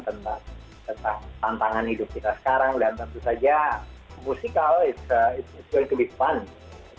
tentang tantangan hidup kita sekarang dan tentu saja musikal itu akan menjadi seronok